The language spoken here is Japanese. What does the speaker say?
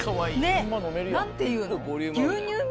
ねっ何ていうの。